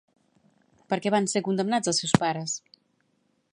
Per què van ser condemnats els seus pares?